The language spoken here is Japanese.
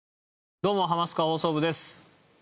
どうも『ハマスカ放送部』です。